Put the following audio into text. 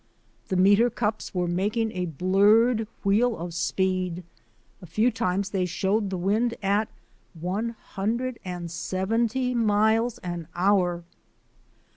The meter cups were making a blurred wheel of speed; a few times they showed the wind at one hundred and seventy miles an hour.